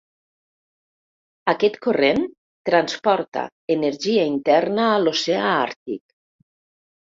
Aquest corrent transporta energia interna a l'Oceà Àrtic.